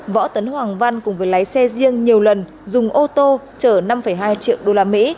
võ tấn hoàng văn cùng với lái xe riêng nhiều lần dùng ô tô chở năm hai triệu đô la mỹ